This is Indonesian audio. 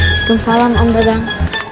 waalaikumsalam om badang